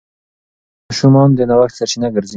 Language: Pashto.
زده کوونکي ماشومان د نوښت سرچینه ګرځي.